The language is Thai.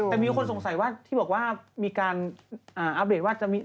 แต่มีคนสงสัยว่าที่บอกว่ามีการอัปเดตว่าจะมี